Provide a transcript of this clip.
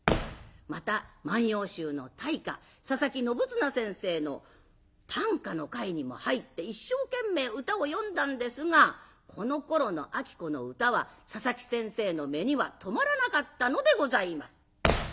また「万葉集」の大家佐佐木信綱先生の短歌の会にも入って一生懸命歌を詠んだんですがこのころの子の歌は佐佐木先生の目には留まらなかったのでございます。